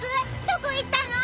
どこ行ったの！？